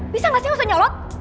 bisa gak sih gak usah nyolot